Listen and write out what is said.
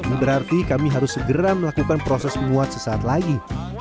ini berarti kami harus segera melakukan proses menguat sesaat lagi